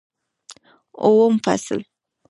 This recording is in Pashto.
اووم فصل